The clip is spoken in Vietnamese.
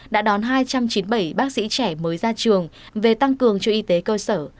đã đón hai trăm chín mươi bảy bác sĩ trẻ mới ra trường về tăng cường cho y tế cơ sở